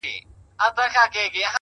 د حقیقت منل د بلوغ نښه ده؛